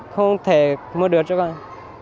không thể mua được cho con